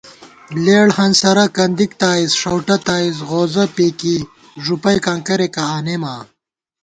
لېڑ ہنسَرہ، کندِک تائیز، ݭؤٹہ تائیز، غوزہ پېکېئی، ݫُپئیکاں کریَکہ آنېمہ آں